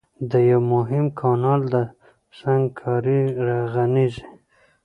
د يوه مهم کانال د سنګکارۍ رغنيزي